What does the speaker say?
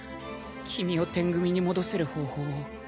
キミをテン組に戻せる方法を。